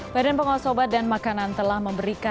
badan pengosobat dan makanan telah memberi